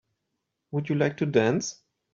Would you like to dance?